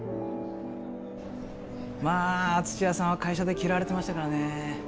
まあ土屋さんは会社で嫌われてましたからねえ。